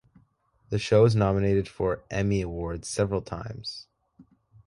The show was nominated for Emmy Awards several times.